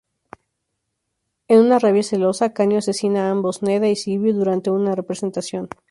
En una rabia celosa Canio asesina ambos Nedda y Silvio durante un representación.